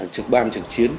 trực bang trực chiến